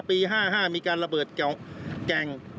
ปี๕๕มีการระเบิดแก่ง